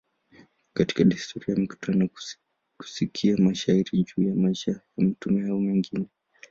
Kati ya desturi ni mikutano, kusikia mashairi juu ya maisha ya mtume a mengine.